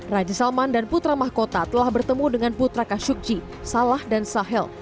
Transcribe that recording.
raja salman dan putra mahkota telah bertemu dengan putra khashoggi salah dan sahel